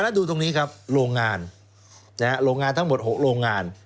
แล้วดูตรงนี้ครับโรงงานโรงงานทั้งหมด๖โรงงาน